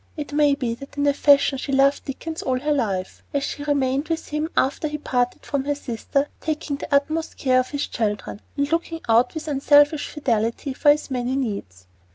It may be that in a fashion she loved Dickens all her life, as she remained with him after he parted from her sister, taking the utmost care of his children, and looking out with unselfish fidelity for his many needs.